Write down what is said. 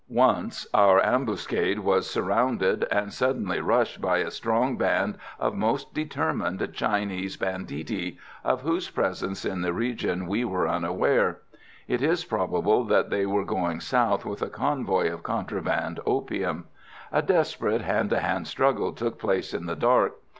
Once our ambuscade was surrounded and suddenly rushed by a strong band of most determined Chinese banditti, of whose presence in the region we were unaware. It is probable that they were going south with a convoy of contraband opium. A desperate hand to hand struggle took place in the dark.